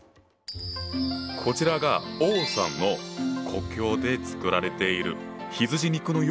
こちらが王さんの故郷で作られている羊肉の羊羹。